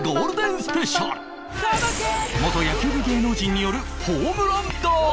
元野球部芸能人によるホームランダービー！